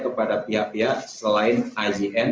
kepada pihak pihak selain iz